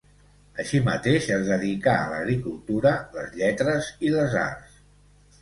Així mateix, es dedicà a l'agricultura, les lletres i les arts.